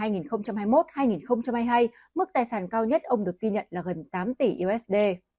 giai đoạn hai nghìn hai mươi một hai nghìn hai mươi hai mức tài sản cao nhất ông được ghi nhận là gần tám tỷ usd